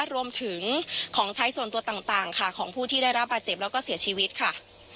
รวมถึงของใช้ส่วนตัวต่างค่ะของผู้ที่ได้รับบาดเจ็บแล้วก็เสียชีวิตค่ะ